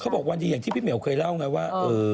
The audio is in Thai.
บอกวันดีอย่างที่พี่เหมียวเคยเล่าไงว่า